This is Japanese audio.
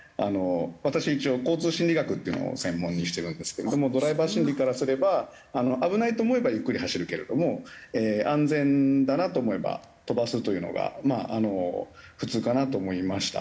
私一応交通心理学っていうのを専門にしてるんですけどもドライバー心理からすれば危ないと思えばゆっくり走るけれども安全だなと思えば飛ばすというのがまああの普通かなと思いました。